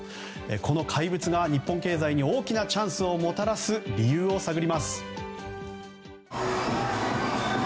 この怪物が日本経済に大きなチャンスをもたらす理由を探ります。